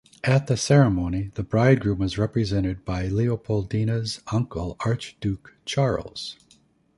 At the ceremony the bridegroom was represented by Leopoldina's uncle, Archduke Charles.